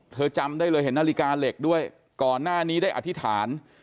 จำได้เลยเห็นนาฬิกาเหล็กด้วยก่อนหน้านี้ได้อธิษฐาน